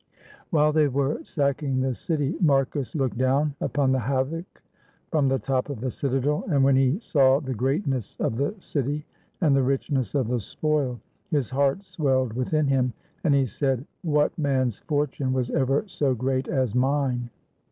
While they were sacking the city, Marcus looked down upon the havoc from the top of the citadel, and 316 THE FALL OF VEII when he saw the greatness of the city and the richness of the spoil, his heart swelled within him, and he said, "What man's fortune was ever so great as mine?"